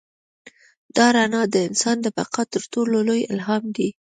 دا رڼا د انسان د بقا تر ټولو لوی الهام دی.